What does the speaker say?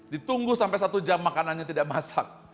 ditunggu sampai satu jam makanannya tidak masak